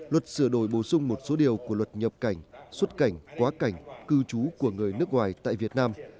luật sửa đổi bổ sung một số điều của luật nhập cảnh xuất cảnh quá cảnh cư trú của người nước ngoài tại việt nam